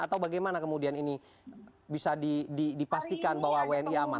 atau bagaimana kemudian ini bisa dipastikan bahwa wni aman